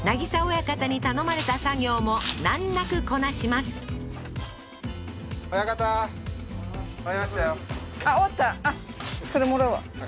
親方に頼まれた作業も難なくこなしますあっ終わった？